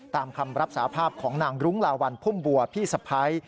ตามคำรับสาภาพของนางรุ้งลาวัลพุ่มบัวพี่สะพ้าย